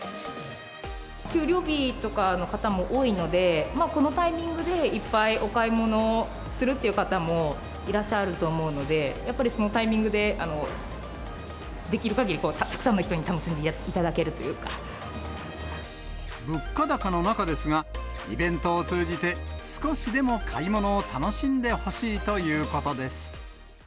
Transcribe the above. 給料日とかの方も多いので、このタイミングでいっぱいお買い物をするっていう方もいらっしゃると思うので、やっぱりそのタイミングでできるかぎりたくさんの人に楽しんでい物価高の中ですが、イベントを通じて、少しでも買い物を楽しんでほしいということです。